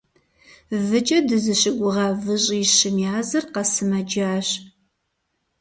Выкӏэ дызыщыгугъа выщӏищым языр къэсымэджащ.